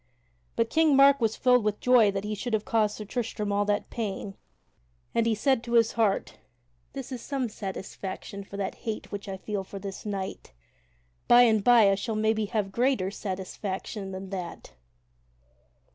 But King Mark was filled with joy that he should have caused Sir Tristram all that pain, and he said to his heart: "This is some satisfaction for the hate which I feel for this knight; by and by I shall maybe have greater satisfaction than that."